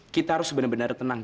kita harus benar benar tenang